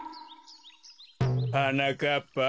はなかっぱ。